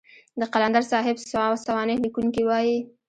د قلندر صاحب سوانح ليکونکي وايي.